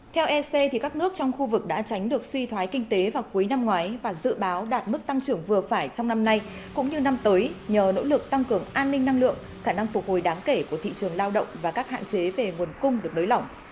theo ec các nước trong khu vực đã tránh được suy thoái kinh tế vào cuối năm ngoái và dự báo đạt mức tăng trưởng vừa phải trong năm nay cũng như năm tới nhờ nỗ lực tăng cường an ninh năng lượng khả năng phục hồi đáng kể của thị trường lao động và các hạn chế về nguồn cung được nới lỏng